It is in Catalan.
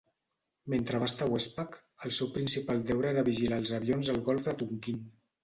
Mentre va estar a WestPac, el seu principal deure era vigilar els avions al golf de Tonquín.